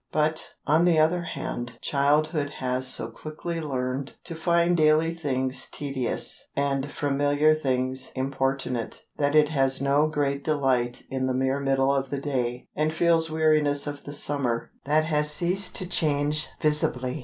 But, on the other hand, childhood has so quickly learned to find daily things tedious, and familiar things importunate, that it has no great delight in the mere middle of the day, and feels weariness of the summer that has ceased to change visibly.